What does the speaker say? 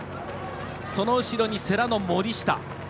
その後ろに世羅の森下。